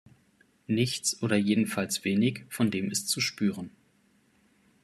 Nichts, oder jedenfalls wenig von dem ist zu spüren.